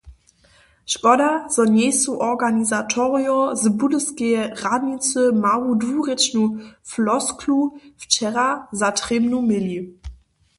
Škoda, zo njejsu organizatorojo z Budyskeje radnicy mału dwurěčnu flosklu wčera za trěbnu měli.